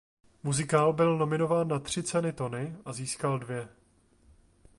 Muzikál byl nominován na tři ceny Tony a získal dvě.